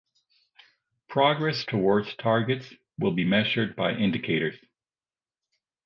Progress towards targets will be measured by indicators.